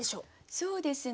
そうですね